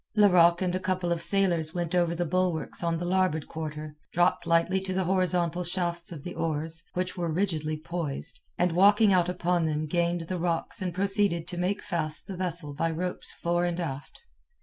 Larocque and a couple of sailors went over the bulwarks on the larboard quarter, dropped lightly to the horizontal shafts of the oars, which were rigidly poised, and walking out upon them gained the rocks and proceeded to make fast the vessel by ropes fore and aft.